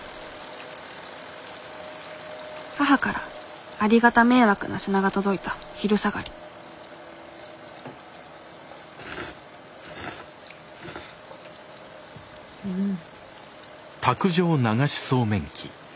母からありがた迷惑な品が届いた昼下がりうん。